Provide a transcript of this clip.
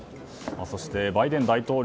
そして、バイデン大統領